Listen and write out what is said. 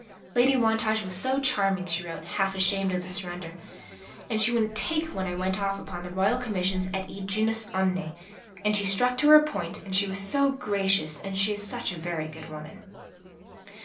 "Lady Wantage was so charming," she wrote, half ashamed of the surrender, "and she wouldn't 'take' when I went off upon Royal Commissions et id genus omne, and she stuck to her point and she was so gracious and she is such a very good woman."